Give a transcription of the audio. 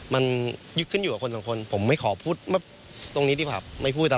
มันยึดขึ้นอยู่กับคนสองคนผมไม่ขอพูดตรงนี้ดีกว่าไม่พูดตาม